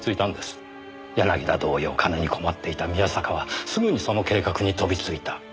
柳田同様金に困っていた宮坂はすぐにその計画に飛びついた。